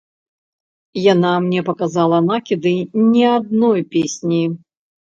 Яна мне паказала накіды не адной песні.